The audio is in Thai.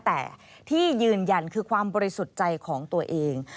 แต่ที่ยืนยันคือความบริสุทธิ์ใจของตัวเอง